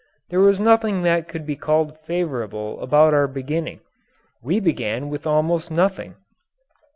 There was nothing that could be called "favorable" about our beginning. We began with almost nothing.